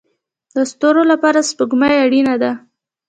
د ستورو لپاره سپوږمۍ اړین ده